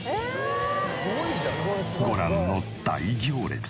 ご覧の大行列。